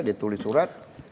dia tulis surat